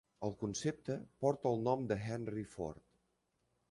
El concepte porta el nom de Henry Ford.